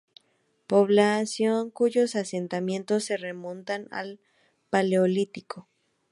Población cuyos asentamientos se remontan al paleolítico.